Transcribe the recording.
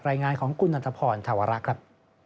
รายงานของกุณฑพรธวรรคครับ